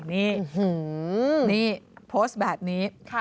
นี่นี่โพสต์แบบนี้